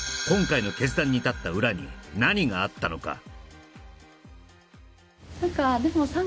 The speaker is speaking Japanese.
今回の決断に至った裏に何があったのか？